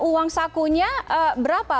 uang sakunya berapa